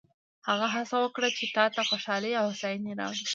هغه هڅه وکړه چې تا ته خوشحالي او هوساینه راوړي.